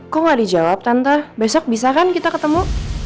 kok gak dijawab tante besok bisa kan kita ketemu